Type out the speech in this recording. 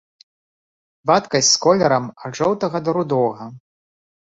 Вадкасць з колерам ад жоўтага да рудога.